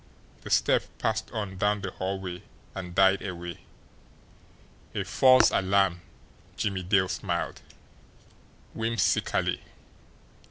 The step passed on down the hallway and died away. A false alarm! Jimmie Dale smiled whimsically.